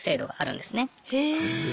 へえ。